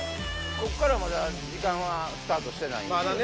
こっからまだ時間はスタートしてないまだね